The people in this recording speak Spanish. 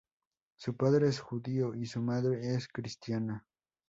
Su padre es judío y su madre es cristiana.